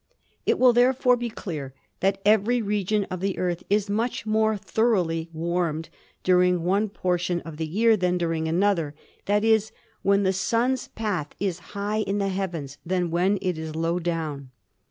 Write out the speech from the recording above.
It will therefore be clear that every region of the Earth is much more thoroly warmed during one por tion of the year than during another — i.e., when the Sun's path is high in the heavens than when it is low down.